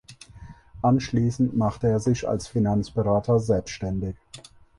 Anschließend machte er sich als Finanzberater selbstständig.